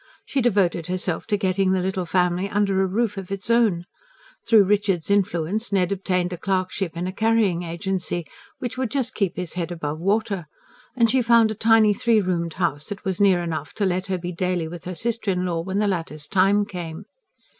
She devoted herself to getting the little family under a roof of its own. Through Richard's influence Ned obtained a clerkship in a carrying agency, which would just keep his head above water; and she found a tiny, three roomed house that was near enough to let her be daily with her sister in law when the latter's time came.